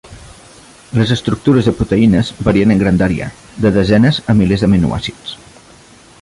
Les estructures de proteïnes varien en grandària, de desenes a milers d'aminoàcids.